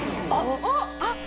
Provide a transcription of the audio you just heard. あっ！